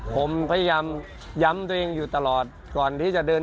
ผมพยายามย้ำตัวเองอยู่ตลอดก่อนที่จะเดิน